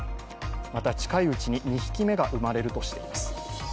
また近いうちに２匹目が生まれるとしています。